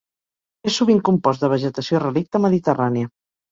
És sovint compost de vegetació relicta mediterrània.